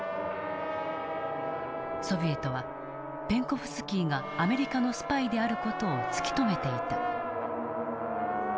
ソビエトはペンコフスキーがアメリカのスパイである事を突き止めていた。